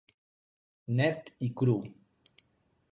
Net i cru.